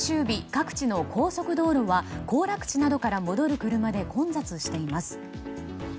各地の高速道路は行楽地などから戻る車で混雑しています。